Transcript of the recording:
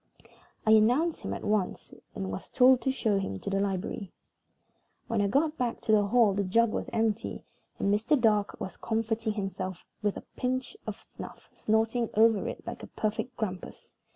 I announced him at once, and was told to show him into the library. When I got back to the hall the jug was empty, and Mr. Dark was comforting himself with a pinch of snuff, snorting over it like a perfect grampus.